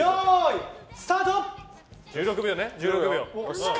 １６秒ね。